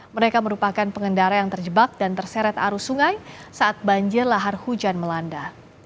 mereka merupakan pengendara yang terjebak dan terseret arus sungai saat banjir lahar hujan melanda